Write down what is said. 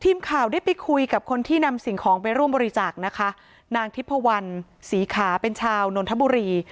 ทีมข่าวได้ไปคุยกับคนที่นำสิ่งของไปร่วมบริจาคนะคะนางทิพพวันศรีขาเป็นชาวนนทบุรี